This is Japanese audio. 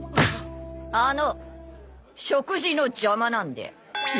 あの食事の邪魔なんで。